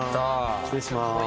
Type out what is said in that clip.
失礼します。